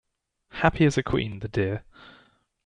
Happy as a queen, the dear!